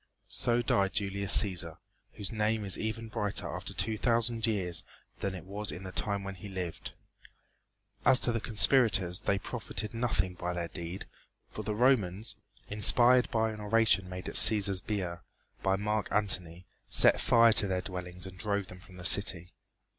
So died Julius Cæsar, whose name is even brighter after two thousand years than it was in the time when he lived. As to the conspirators they profited nothing by their deed, for the Romans, inspired by an oration made at Cæsar's bier by Marc Antony, set fire to their dwellings and drove them from the city.